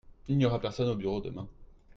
Il n'y aura personne au bureau demain.